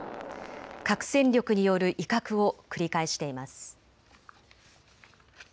核戦力による威嚇を繰り返しています。